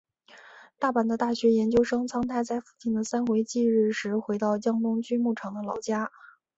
大阪的大学研究生苍太在父亲的三回忌时回到江东区木场的老家。